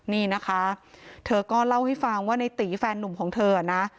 นี่นะคะเธอก็เล่าให้ฟังว่าในตีแฟนนุ่มของเธอนะ